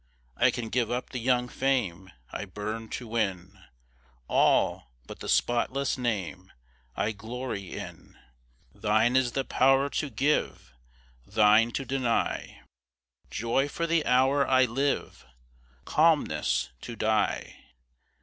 I can give up the young fame I burn'd to win All but the spotless name I glory in. Thine is the power to give, Thine to deny, Joy for the hour I live Calmness to die.